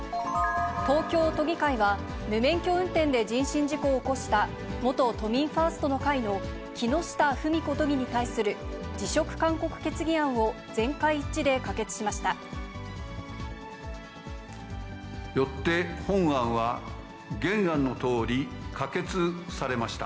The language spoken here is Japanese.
東京都議会は、無免許運転で人身事故を起こした元都民ファーストの会の木下富美子都議に対する辞職勧告決議案を全会一致で可決しました。